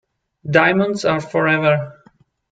Diamonds are forever.